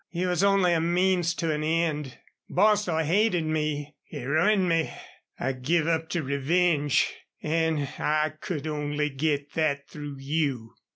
You was only a means to an end. Bostil hated me. He ruined me. I give up to revenge. An' I could only git thet through you."